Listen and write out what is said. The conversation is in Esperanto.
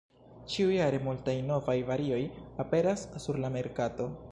Ĉiujare multaj novaj varioj aperas sur la merkato.